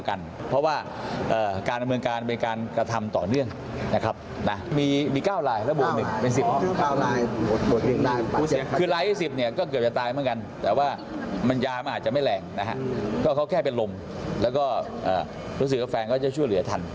ก็แค่เป็นลมแล้วก็รู้สึกว่าฟังจะช่วยเหลือทัน